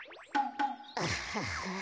アハハ。